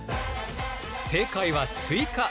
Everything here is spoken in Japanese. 正解はスイカ！